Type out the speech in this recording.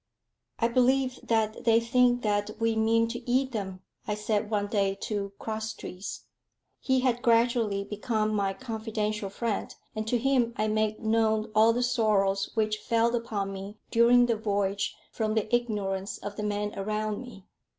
"I believe that they think that we mean to eat them," I said one day to Crosstrees. He had gradually become my confidential friend, and to him I made known all the sorrows which fell upon me during the voyage from the ignorance of the men around me.